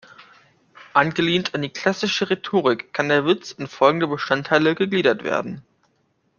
Angelehnt an die klassische Rhetorik kann der Witz in folgende Bestandteile gegliedert werden.